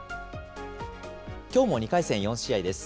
きょうも２回戦４試合です。